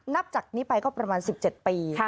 นับจากนี้ไปก็ประมาณ๑๗ปี